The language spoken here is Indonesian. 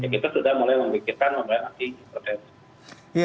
kita sudah mulai memikirkan untuk memberikan anti hipertensi